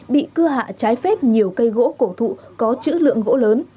bị cưa hạ trái phép nhiều cây gỗ cổ thụ có chữ lượng gỗ lớn